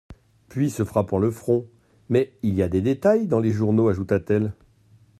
Puis, se frappant le front : Mais il y a des détails dans les journaux, ajouta-t-elle.